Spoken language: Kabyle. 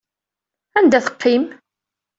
Anda teqqim?